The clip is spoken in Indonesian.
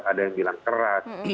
ada yang bilang keras